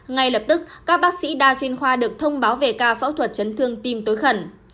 ngay lập tức các bác sĩ đa chuyên khoa được thông báo về ca phẫu thuật chấn thương tim tối khẩn